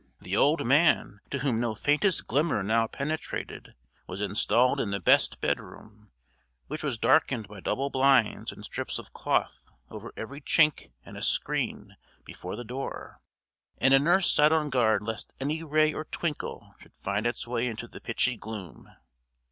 The old man, to whom no faintest glimmer now penetrated, was installed in the best bedroom, which was darkened by double blinds and strips of cloth over every chink and a screen before the door; and a nurse sat on guard lest any ray or twinkle should find its way into the pitchy gloom.